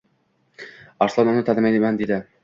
Arslon uni tanimayman dedi.